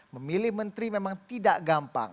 memilih menteri memang tidak gampang